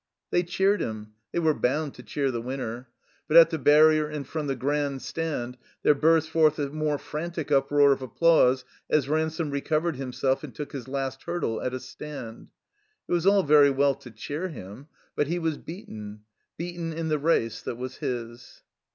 They cheered him; they were botmd to cheer the winner. But at the barrier and from the Grand Stand there burst forth a more frantic uproar of applause as Ransome recovered himself and took his last hurdle at a stand. It was all very well to cheer him; but he was beaten, beaten in the race that was his.